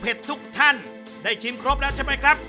ทุกท่านได้ชิมครบแล้วใช่ไหมครับ